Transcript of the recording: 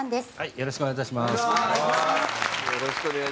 よろしくお願いします。